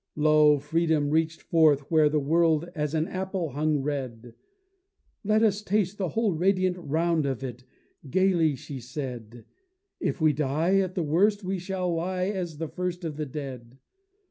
Lo, Freedom reached forth where the world as an apple hung red; Let us taste the whole radiant round of it, gayly she said: _If we die, at the worst we shall lie as the first of the dead.